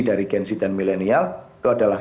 dari gensi dan millenial itu adalah